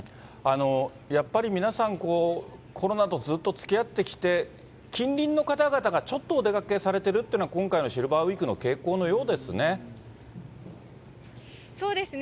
やっぱり皆さん、コロナとずっとつきあってきて、近隣の方々がちょっとお出かけされてるっていうのは、今回のシルそうですね。